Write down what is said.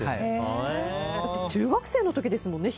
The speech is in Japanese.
中学生の時ですもんね